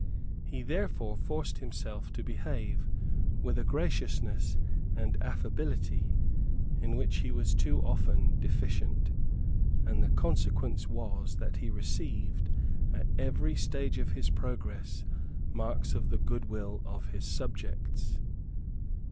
He therefore forced himself to behave with a graciousness and affability in which he was too often deficient; and the consequence was that he received, at every stage of his progress, marks of the good will of his subjects.